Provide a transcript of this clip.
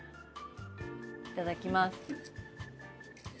いただきます。